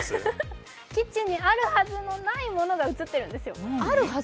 キッチンにあるはずのないものが写ってるんですよ。